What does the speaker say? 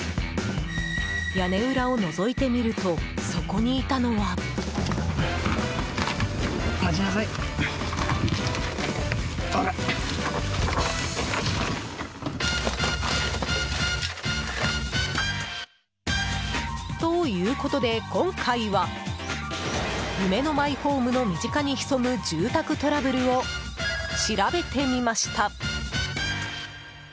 屋根裏をのぞいてみるとそこにいたのは。ということで今回は夢のマイホームの身近に潜む住宅トラブルを調べてみました。